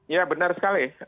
ya benar sekali